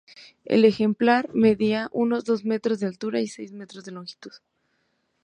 El ejemplar medía unos dos metros de altura y seis metros de longitud.